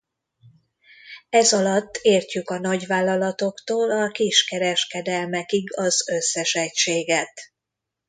Ez alatt értjük a nagyvállalatoktól a kis kereskedelmekig az összes egységet.